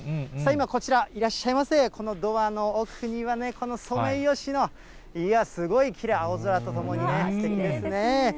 今、こちら、いらっしゃいませ、このドアの奥にはね、このソメイヨシノ、いや、すごいきれい、青空とともにね、すてきですね。